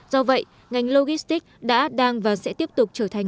do vậy ngành logistics đã đang và sẽ tiếp tục trở thành